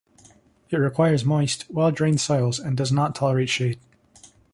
It requires moist, well-drained soils, and does not tolerate shade.